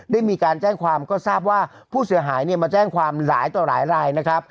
ได้มีการแจ้งความก็ทราบว่าผู้เสียหายมาแจ้งความหลายต่อหลายรายนะครับ